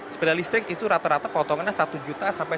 sepeda listrik itu rata rata potongannya satu juta sampai satu lima ratus